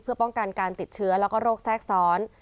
เพื่อป้องกันการติดเชื้อแล้วก็โรคแทรกซ้อน